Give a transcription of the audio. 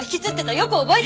よく覚えてる。